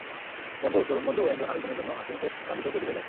বন্ধু, তরুণ বন্ধু, একজন আরেকজনের জন্য হাসিমুখে প্রাণ দিতেও তৈরি হয়ে যায়।